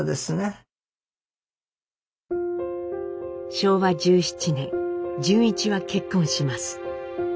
昭和１７年潤一は結婚します。